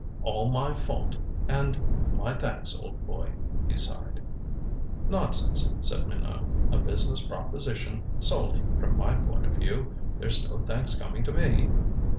All my fault. And my thanks, old boy." He sighed. "Nonsense," said Minot. "A business proposition, solely, from my point of view. There's no thanks coming to me."